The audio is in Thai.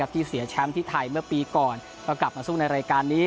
ที่เสียแชมป์ที่ไทยเมื่อปีก่อนก็กลับมาสู้ในรายการนี้